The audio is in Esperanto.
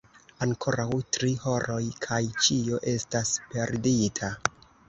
Ankoraŭ tri horoj kaj ĉio estas perdita!